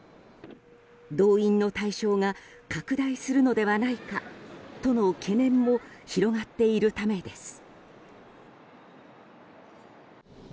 動員の対象が拡大するのではないかとの懸念も広がっているためです。